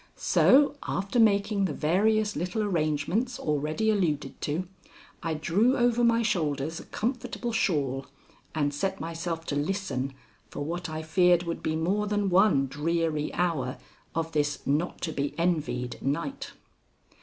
So after making the various little arrangements already alluded to, I drew over my shoulders a comfortable shawl and set myself to listen for what I feared would be more than one dreary hour of this not to be envied night.